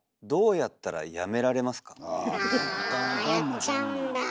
あやっちゃうんだ。